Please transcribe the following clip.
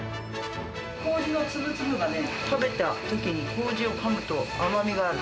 こうじの粒々がね、食べたときにこうじをかむと甘みがある。